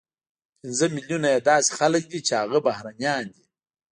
پنځه ملیونه یې داسې خلک دي چې هغه بهرنیان دي،